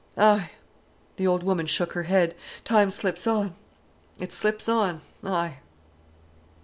Ay!"—the old woman shook her head—"time slips on, it slips on! Ay!"